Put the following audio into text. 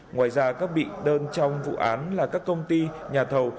ngoài ra các bị đơn trong vụ án là các công ty nhà thầu